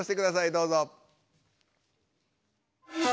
どうぞ。